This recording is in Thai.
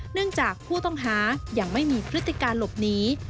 เนื่องจากผู้ต้องหายังไม่มีพฤติการหลบหนี